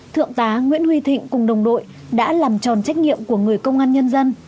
thượng tá nguyễn huy thịnh cùng đồng đội đã làm tròn trách nhiệm của người công an nhân dân